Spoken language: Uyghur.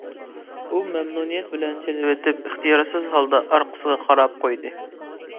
ئۇ مەمنۇنىيەت بىلەن چېلىۋېتىپ، ئىختىيارسىز ھالدا ئارقىسىغا قاراپ قويدى.